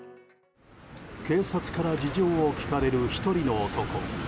警察から事情を聴かれる１人の男。